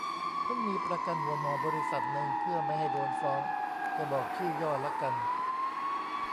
เพิ่งมีประกันหัวหมอบริษัทนึง เพื่อไม่ให้โดนฟ้องจะบอกชื่อย่อละกัน